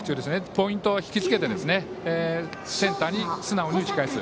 ポイントを引き付けてセンターに素直に打ち返す。